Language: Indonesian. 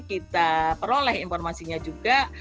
kita peroleh informasinya juga